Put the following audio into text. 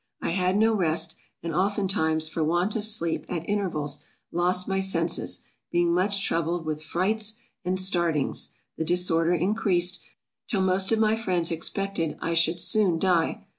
I had no rest, and oftentimes, for want of sleep, at intervals, lost my senses being much troubled with frights and startings, the disorder increased, till most of my friends expected I should soon die.